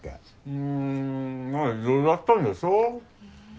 うんまあいろいろあったんでしょ。